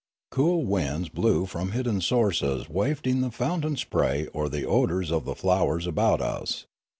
Cool winds blew from hidden sources wafting the fountain spray or the odours of the flowers about us.